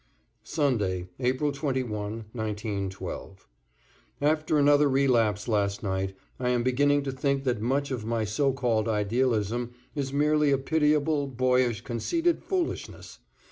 =, Sunday, April 21, 1912.= After another relapse last night, I am beginning to think that much of my so called idealism is merely a pitiable, boyish, conceited foolishness.